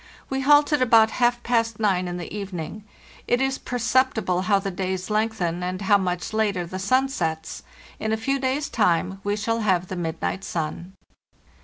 We halted about half past nine in the evening. It is perceptible how the days lengthen, and how much later the sun sets; in a few days' time we shall have the midnight sun.